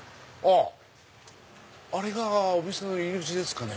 あれがお店の入り口ですかね。